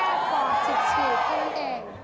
แค่ป๋อดฉีกดังเอง